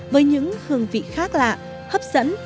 với những hương vị khác lạ hấp dẫn